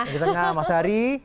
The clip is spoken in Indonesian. di tengah mas ari